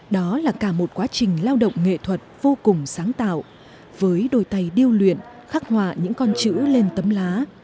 đó là cả một quá trình lao động nghệ thuật vô cùng sáng tạo với đôi tay điêu luyện khắc họa những con chữ lên tấm lá